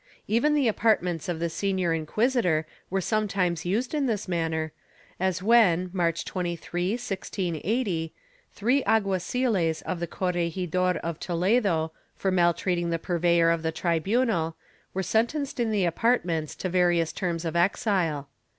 Even the apart ments of the senior inquisitor were sometimes used in this manner, as when, March 23, 1680, three alguaziles of the corregidor of Toledo, for maltreating the purveyor of the tribunal, were sen tenced in the apartments to various terms of exile.